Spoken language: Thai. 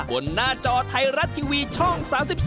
หน้าจอไทยรัฐทีวีช่อง๓๒